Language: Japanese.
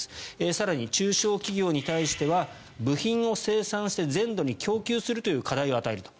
更に、中小企業に対しては部品を生産して全土に供給するという課題を与えると。